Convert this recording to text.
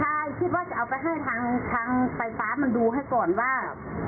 ใช่คิดว่าจะเอาไปให้ทางไฟฟ้ามันดูให้ก่อนว่า